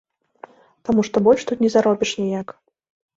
Таму што больш тут не заробіш ніяк.